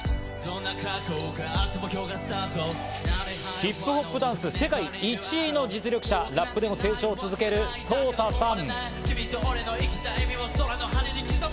ヒップホップダンス世界１位の実力者、ラップでも成長続けるソウタさん。